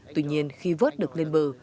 tuy nhiên khi vớt được lên bờ